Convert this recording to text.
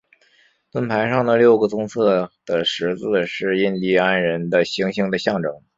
盾牌上的六个棕色的十字是印第安人的星星的象征。